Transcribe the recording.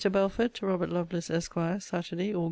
BELFORD, TO ROBERT LOVELACE, ESQ. SAT. AUG.